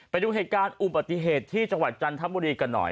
ไปดูเหตุการณ์อุบัติเหตุที่จังหวัดจันทบุรีกันหน่อย